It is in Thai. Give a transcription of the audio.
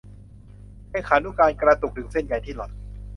เลขานุการกระตุกดึงเส้นใยที่หย่อน